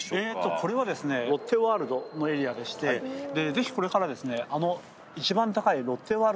これはですねロッテワールドのエリアでしてぜひこれからですね。